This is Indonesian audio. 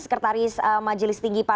sekretaris majelis tinggi partai